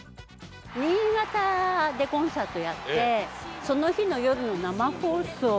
新潟でコンサートやってその日の夜の生放送。